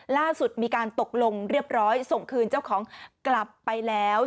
ล่าสุดมีการตกลงเรียบร้อยส่งคืนเจ้าของกลับไปแล้ว